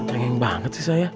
tengeng banget sih saya